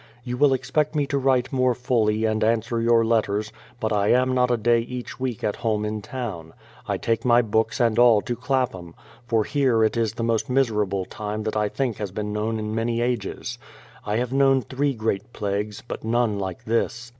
... You will expect me to write more fully and answer your letters, but I am not a day each week at home in town. I take my books and all to Clapham ; for here it is the most miserable time that I think has been known in many ages. I have known three great plagues, but none like this.